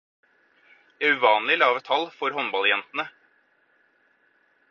Det er uvanlig lave tall for håndballjentene.